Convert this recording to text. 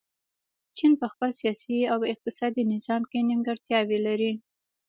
چین په خپل سیاسي او اقتصادي نظام کې نیمګړتیاوې لري.